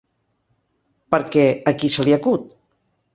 Perquè, a qui se li acut?